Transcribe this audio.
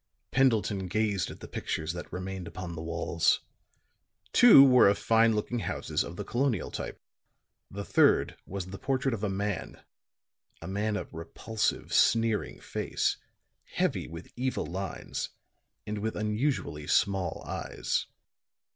Pendleton gazed at the pictures that remained upon the walls. Two were of fine looking houses of the colonial type; the third was the portrait of a man a man of repulsive, sneering face, heavy with evil lines and with unusually small eyes.